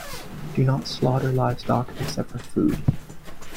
Do not slaughter livestock except for food.